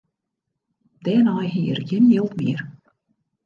Dêrnei hie er gjin jild mear.